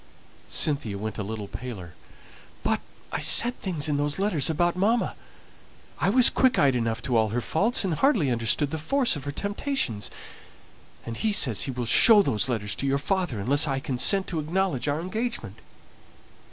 Cynthia went a little paler. "But I said things in those letters about mamma. I was quick eyed enough to all her faults, and hardly understood the force of her temptations; and he says he will show those letters to your father, unless I consent to acknowledge our engagement."